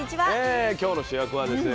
今日の主役はですね